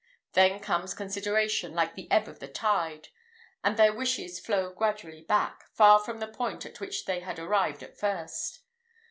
Then comes consideration, like the ebb of the tide, and their wishes flow gradually back, far from the point at which they had arrived at first.